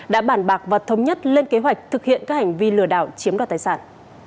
đã bản bạc và thống nhất lên kế hoạch thực hiện các hành vi lừa đảo chiếm đoạt tài sản